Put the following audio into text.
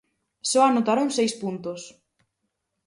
Só anotaron seis puntos.